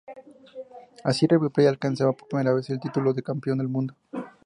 Así, River Plate alcanzaba por primera vez el título de campeón del mundo.